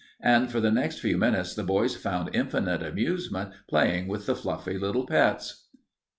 And for the next few minutes the boys found infinite amusement playing with the fluffy little pets.